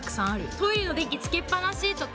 トイレの電気つけっぱなしとか。